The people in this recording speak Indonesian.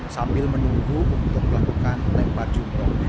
sambil menunggu untuk melakukan melempar jumrah